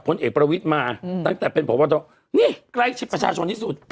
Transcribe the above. พ้นเอกประวิทย์มาอืมตั้งแต่เป็นนี่ใกล้ชิดประชาชนนิสุทธิ์